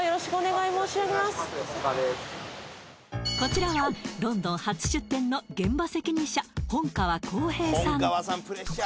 こちらはロンドン初出店の現場責任者本川功平さん